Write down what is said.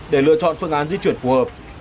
để lựa chọn phương án di chuyển phù hợp